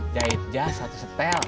jahit jahat satu setel